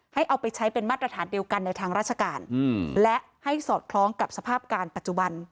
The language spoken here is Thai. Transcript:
เอาไปใช้เป็นมาตรฐานเดียวกันในทางราชการและให้สอดคล้องกับสภาพการณ์ปัจจุบัน